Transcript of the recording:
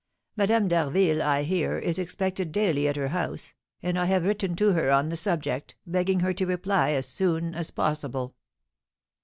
Madame d'Harville, I hear, is expected daily at her house; and I have written to her on the subject, begging her to reply as soon as possible."